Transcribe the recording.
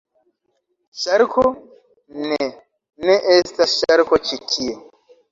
Ŝarko? Ne. Ne estas ŝarko ĉi tie!